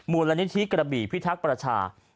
มูลนิธิกระบี่พิทักษ์ประชา